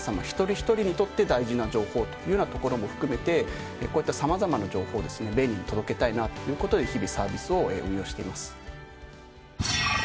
一人一人にとって大事な情報というようなところも含めてこういった様々な情報をですね便利に届けたいなということで日々サービスを運用してます。